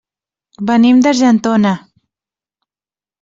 Venim d'Argentona.